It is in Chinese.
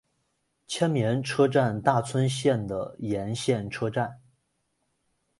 千绵车站大村线的沿线车站。